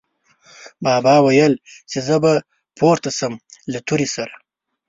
بابا ویل، چې زه به پورته شم له تورې سره